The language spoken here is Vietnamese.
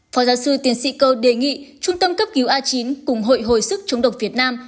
phó giáo sư tiến sĩ cơ đề nghị trung tâm cấp cứu a chín cùng hội hồi sức chống độc việt nam